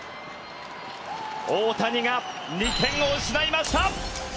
大谷が２点を失いました。